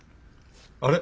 あれ？